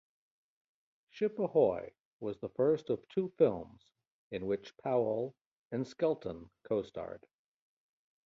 "Ship Ahoy" was the first of two films in which Powell and Skelton co-starred.